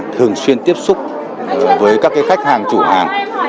thường xuyên tiếp xúc với các khách hàng chủ hàng